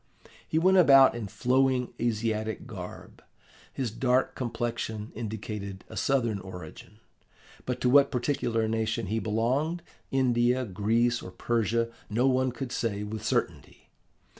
He went about in flowing Asiatic garb; his dark complexion indicated a Southern origin, but to what particular nation he belonged, India, Greece, or Persia, no one could say with certainty.